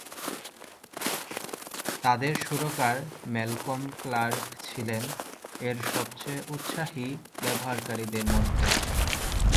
তাদের সুরকার Malcolm Clarke ছিলেন এর সবচেয়ে উৎসাহী ব্যবহারকারীদের মধ্যে একজন।